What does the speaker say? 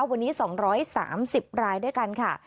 วันนี้๒๓๐รายด้วยกันค่ะ